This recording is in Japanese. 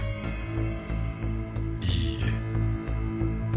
いいえ。